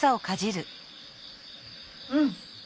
うん。